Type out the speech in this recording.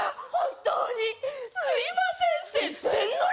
本当にすいませんせん